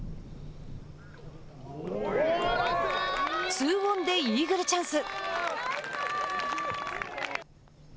ツーオンでイーグルチャンス。